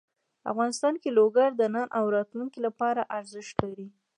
افغانستان کې لوگر د نن او راتلونکي لپاره ارزښت لري.